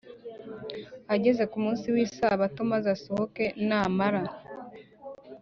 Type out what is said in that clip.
agenza ku munsi w isabato maze asohoke namara